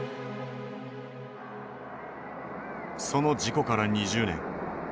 その事故から２０年。